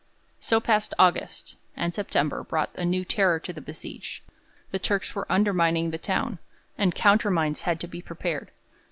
So passed August, and September brought a new terror to the besieged. The Turks were undermining the town, and countermines had to be prepared.